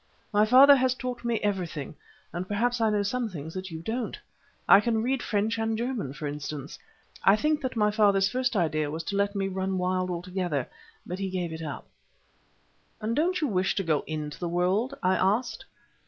My father has taught me everything, and perhaps I know some things that you don't. I can read French and German, for instance. I think that my father's first idea was to let me run wild altogether, but he gave it up." "And don't you wish to go into the world?" I asked.